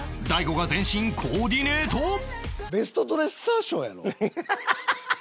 大悟が全身コーディネート